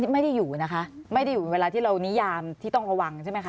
ไม่ได้อยู่นะคะไม่ได้อยู่เวลาที่เรานิยามที่ต้องระวังใช่ไหมคะ